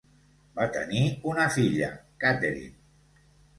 Van tenir una filla: Katherine.